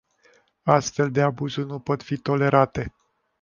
Astfel de abuzuri nu pot fi tolerate.